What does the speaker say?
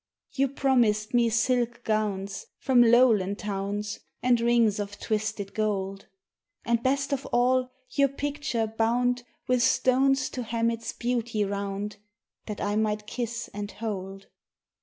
You promised me silk gowns From Lowland towns, And rings of twisted gold; And, best of all, your picture bound With stones to hem its beauty round That I might kiss and hold.